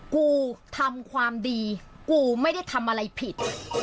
กูทำความดีกูไม่ได้ทำอะไรผิด